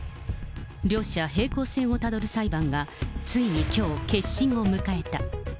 両者、平行線をたどる裁判がついにきょう、結審を迎えた。